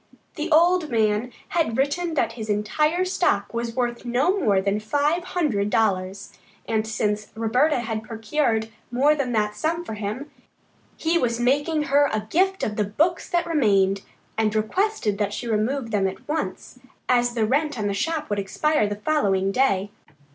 The old man had written that his entire stock was worth no more than five hundred dollars, and since Roberta had procured more than that sum for him, he was making her a gift of the books that remained, and requested that she remove them at once, as the rent on the shop would expire the following day.